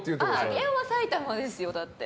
上尾は埼玉ですよだって。